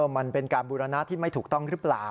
มันเป็นการบูรณะที่ไม่ถูกต้องหรือเปล่า